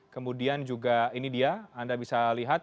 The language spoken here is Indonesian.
kemudian juga ini dia anda bisa lihat